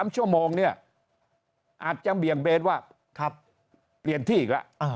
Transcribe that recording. ๓ชั่วโมงเนี่ยอาจจะเบี่ยงเบนว่าเปลี่ยนที่อีกแล้ว